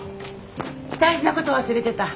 大事なこと忘れてた。